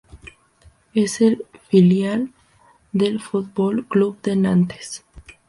Es el filial del Football Club de Nantes.